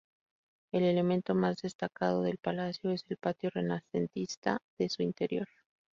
El elemento más destacado del palacio es el patio renacentista de su interior.